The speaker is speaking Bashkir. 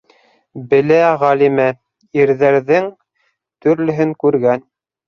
Белә Ғәлимә, ирҙәрҙең төрлөһөн күргән.